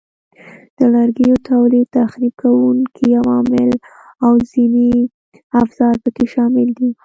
د لرګیو تولید، تخریب کوونکي عوامل او ځینې افزار پکې شامل دي.